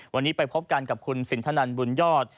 วันนี้ไปพบกันกับคุณสินทนันบุญยอด